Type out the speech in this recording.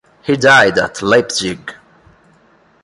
He died at Leipzig.